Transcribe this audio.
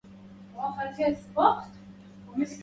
ست من السنوات جاوز عمرها